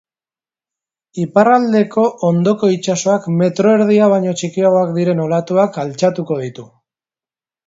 Iparraldeko hondoko itsasoak metro erdia baino txikiagoak diren olatuak altxatuko ditu.